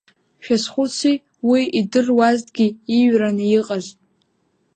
Шәазхәыци, уи идыруазҭгьы ииҩраны иҟаз!